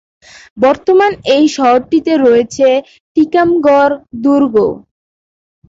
বর্তমানে এই শহরটিতে রয়েছে টিকামগড় দুর্গ।